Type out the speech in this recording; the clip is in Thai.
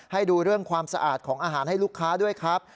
ให้ดูเรื่องความสะอาดของอาหารให้ลูกค้าด้วยครับ